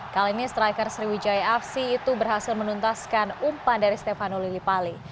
kali ini striker sriwijaya fc itu berhasil menuntaskan umpan dari stefano lillipali